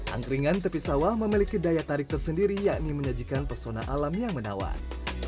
angkringan tepi sawah memiliki daya tarik tersendiri yakni menyajikan pesona alam yang menawan